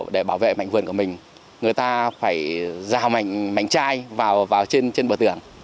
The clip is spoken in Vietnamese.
để bảo vệ mảnh vườn của mình người ta phải rào mạnh mảnh chai vào trên bờ tường